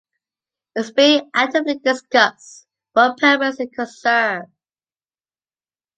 It is being actively discussed what purpose it could serve.